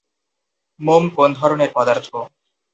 মোম কোন ধরনের পদার্থ?